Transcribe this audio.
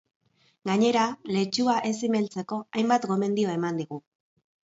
Gainera, letxua ez zimeltzeko hainbat gomendio eman digu.